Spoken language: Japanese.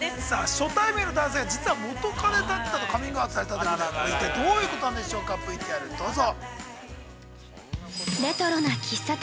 ◆初対面の男性が、実は元カレだったと、カミングアウトされたということで、どういうことなんでしょうか、ＶＴＲどうぞ。